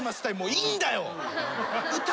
いいんだよ。